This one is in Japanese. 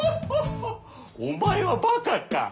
お前はバカか？